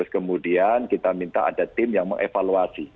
kemudian kita minta ada tim yang mengevaluasi